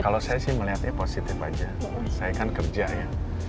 kalau saya sih melihatnya positif aja saya kan kerja ya